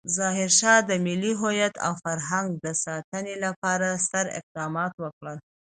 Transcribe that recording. ظاهرشاه د ملي هویت او فرهنګ د ساتنې لپاره ستر اقدامات وکړل.